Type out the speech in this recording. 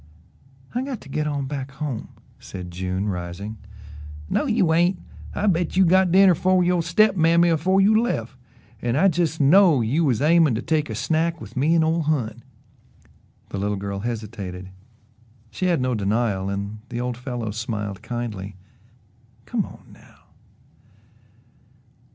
"I got to get on back home," said June, rising. "No you ain't I bet you got dinner fer yo' step mammy afore you left, an' I jes' know you was aimin' to take a snack with me an' ole Hon." The little girl hesitated she had no denial and the old fellow smiled kindly. "Come on, now."